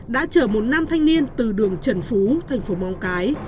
đã chở một nam thanh niên từ đường trần phú thành phố móng cái